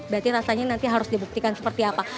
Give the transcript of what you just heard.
berarti rasanya nanti harus dibuktikan seperti apa